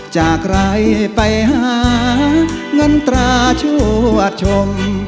จากไรไปหาเงินตราชั่วชม